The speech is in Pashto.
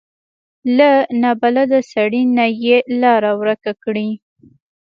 له نابلده سړي نه یې لاره ورکه کړي.